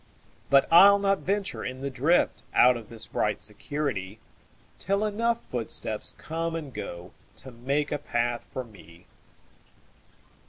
But I'll not venture in the driftOut of this bright security, Till enough footsteps come and goTo make a path for me.